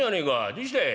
どうしたい？